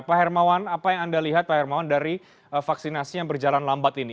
pak hermawan apa yang anda lihat pak hermawan dari vaksinasi yang berjalan lambat ini